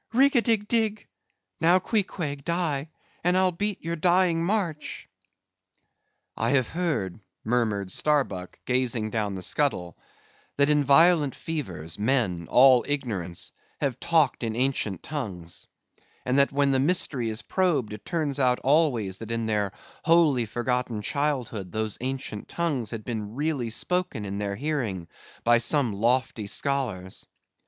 Rig a dig, dig, dig! Now, Queequeg, die; and I'll beat ye your dying march." "I have heard," murmured Starbuck, gazing down the scuttle, "that in violent fevers, men, all ignorance, have talked in ancient tongues; and that when the mystery is probed, it turns out always that in their wholly forgotten childhood those ancient tongues had been really spoken in their hearing by some lofty scholars.